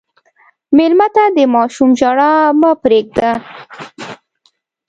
مېلمه ته د ماشوم ژړا مه پرېږده.